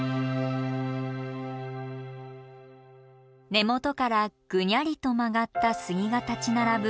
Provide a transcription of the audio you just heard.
根元からグニャリと曲がった杉が立ち並ぶ